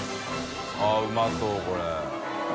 うまそうこれ。